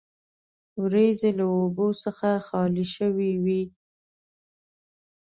وریځې له اوبو څخه خالي شوې وې.